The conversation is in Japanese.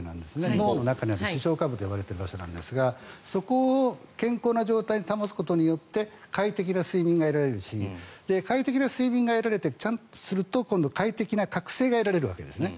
脳の中にある視床下部と呼ばれている場所なんですがそこを健康な状態に保つことによって快適な睡眠が得られるし快適な睡眠を得られてちゃんとすると今度は快適な覚醒が得られるわけですね。